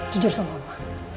jujur sama mama